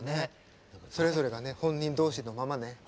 それぞれが本人同士のままね。